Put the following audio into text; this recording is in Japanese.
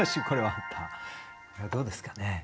これはどうですかね？